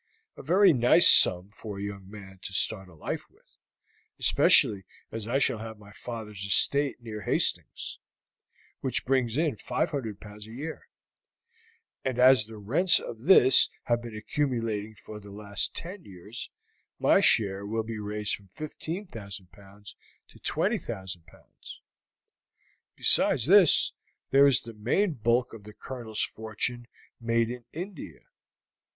A very nice sum for a young man to start life with, especially as I shall have my father's estate near Hastings, which brings in 500 pounds a year; and as the rents of this have been accumulating for the last ten years, my share will be raised from 15,000 pounds to 20,000 pounds. Besides this, there is the main bulk of the Colonel's fortune made in India.